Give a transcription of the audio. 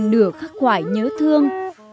nửa khắc quải nhớ thương